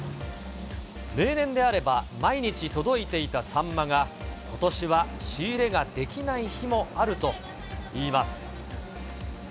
例年であれば毎日届いていたサンマが、ことしは仕入れができない日もあるといいます。